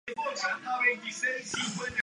Nació y se crió en el barrio de Barracas.